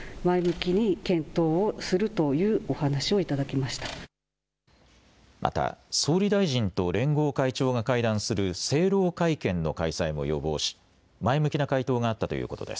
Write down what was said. また、総理大臣と連合会長が会談する政労会見の開催も要望し前向きな回答があったということです。